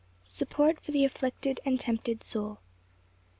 Support for the afflicted and tempted soul.